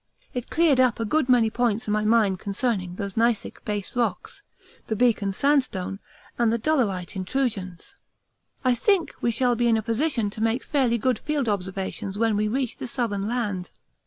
It cleared up a good many points in my mind concerning the gneissic base rocks, the Beacon sand stone, and the dolerite intrusions. I think we shall be in a position to make fairly good field observations when we reach the southern land.